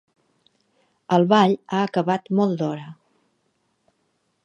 El ball ha acabat molt d'hora.